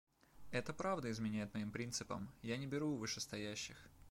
Это правда изменяет моим принципам, я не беру у вышестоящих.